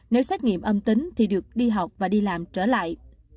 nếu xét nghiệm âm tính thì được đi học và đi làm trở lại